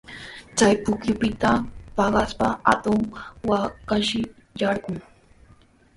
Chay pukyupitaqa paqaspa hatun waakashi yarqun.